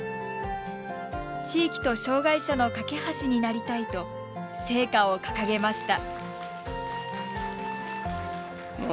地域と障害者の架け橋になりたいと聖火を掲げました。